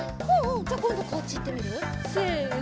じゃあこんどこっちいってみる？せの。